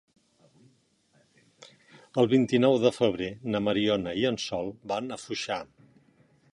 El vint-i-nou de febrer na Mariona i en Sol van a Foixà.